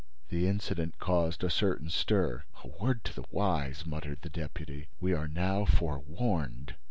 The incident caused a certain stir. "A word to the wise!" muttered the deputy. "We are now forewarned."